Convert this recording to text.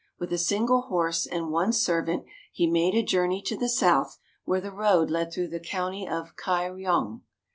With a single horse and one servant he made a journey to the south where the road led through the county of Kai ryong.